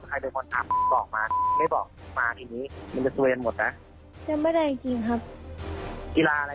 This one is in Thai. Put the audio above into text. กีฬาว่ายน้ำหรือเปล่าครับเอาดี